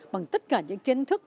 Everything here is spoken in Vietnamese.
bằng tất cả những kiến thức